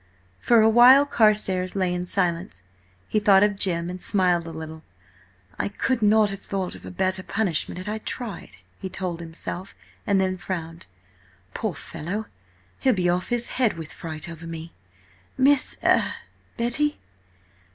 For a while Carstares lay in silence. He thought of Jim and smiled a little. "I could not have thought of a better punishment had I tried," he told himself, and then frowned. "Poor fellow! He'll be off his head with fright over me. Miss–er–Betty?"